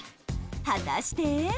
果たして？